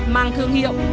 mang thương hiệu